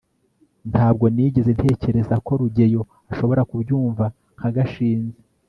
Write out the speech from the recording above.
ntabwo nigeze ntekereza ko rugeyo ashobora kubyumva nka gashinzi